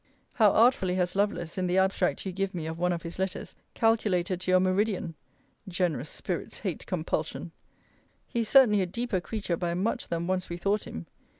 How artfully has Lovelace, in the abstract you give me of one of his letters, calculated to your meridian! Generous spirits hate compulsion! He is certainly a deeper creature by much than once we thought him.